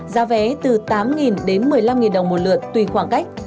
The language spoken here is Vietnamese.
giá vé từ tám đến một mươi năm đồng một lượt tùy khoảng cách